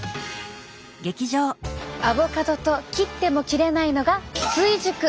アボカドと切っても切れないのが追熟！